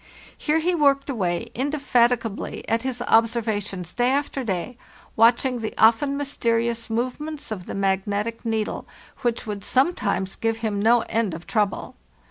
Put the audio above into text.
Here he worked away indefatigably at his ob servations day after day, watching the often mysterious movements of the magnetic needle, which would some times give him no end of trouble.